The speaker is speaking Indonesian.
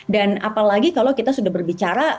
dan apalagi kalau kita sudah berbicara